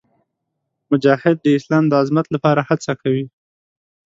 مجاهد د اسلام د عظمت لپاره هڅه کوي.